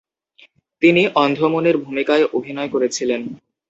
তিনি অন্ধমুনির ভূমিকায় অভিনয় করেছিলেন।